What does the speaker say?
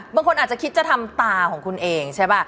บางคนอาจจะคิดจะทำตาของคุณเองใช่ป่ะ